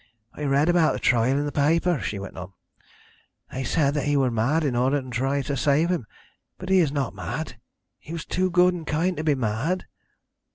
"I read about the trial in the paper," she went on. "They said that he was mad in order to try and save him, but he is not mad he was too good and kind to be mad.